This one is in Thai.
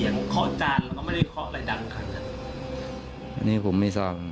ทั้งทั้งที่เสียงเคาะจานแล้วก็ไม่ได้เคาะอะไรดังกัน